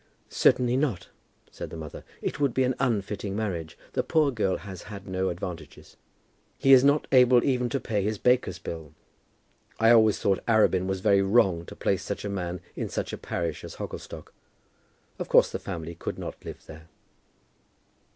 "Certainly not," said the mother. "It would be an unfitting marriage. The poor girl has had no advantages." "He is not able even to pay his baker's bill. I always thought Arabin was very wrong to place such a man in such a parish as Hogglestock. Of course the family could not live there."